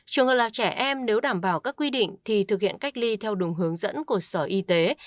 trường hợp là trẻ em nếu đảm bảo các quy định thì thực hiện cách ly theo đúng hướng dẫn của sở y tế